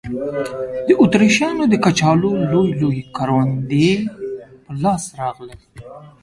د اتریشیانو د کچالو لوی لوی کروندې په لاس راغلل.